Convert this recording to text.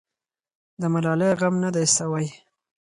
د ملالۍ غم نه دی سوی.